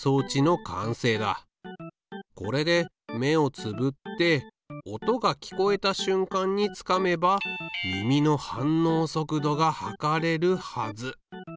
これで目をつぶって音が聞こえたしゅんかんにつかめば耳の反応速度が測れるはず。